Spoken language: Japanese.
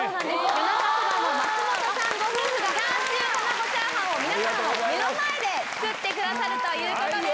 よなかそばの松本さんご夫婦がチャーシュー玉子炒飯を皆さんの目の前で作ってくださるということです。